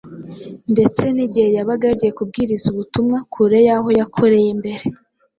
Ndetse n’igihe yabaga yagiye kubwiriza ubutumwa kure y’aho yakoreye mbere,